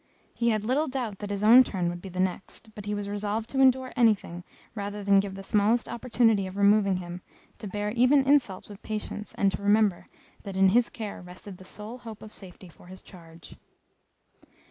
He had little doubt that his own turn would be the next; but he was resolved to endure anything, rather than give the smallest opportunity of removing him, to bear even insults with patience, and to remember that in his care rested the sole hope of safety for his charge.